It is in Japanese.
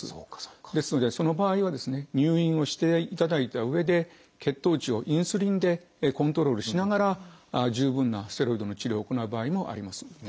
ですのでその場合は入院をしていただいたうえで血糖値をインスリンでコントロールしながら十分なステロイドの治療を行う場合もあります。